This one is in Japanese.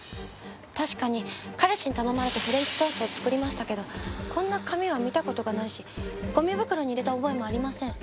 確かに彼氏に頼まれてフレンチトーストを作りましたけどこんな紙は見た事がないしゴミ袋に入れた覚えもありません。